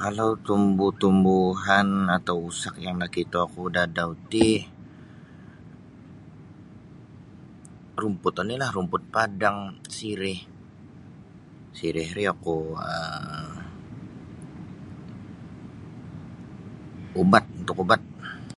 Kalau tumbu-tumbuhan atau usak yang nakitoku dadau ti rumput onilah rumput padang sireh sireh ri oku um ubat untuk ubat.